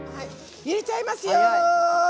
入れちゃいますよ！